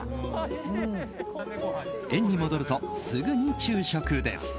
園に戻るとすぐに昼食です。